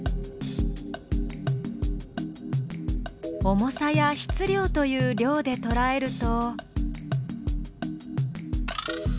「重さ」や「質量」という「量」でとらえると。